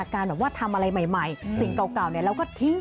การทำอะไรใหม่สิ่งเก่าเราก็ทิ้งไป